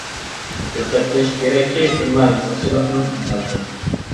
دىققەت قىلىش كېرەككى، ئىملا يېزىقچىلىقنىڭ ئاساسى.